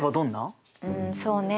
うんそうね。